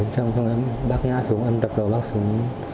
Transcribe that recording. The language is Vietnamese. xong rồi bác nhá xuống bác đập đầu bác xuống